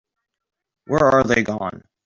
Where are they gone?